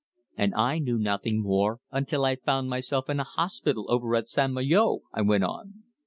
"And I knew nothing more until I found myself in a hospital over at St. Malo," I went on.